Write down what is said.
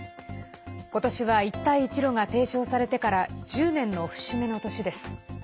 今年は一帯一路が提唱されてから１０年の節目の年です。